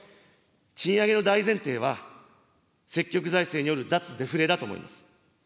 賃上げの大前提は、積極財政による脱デフレだと思います。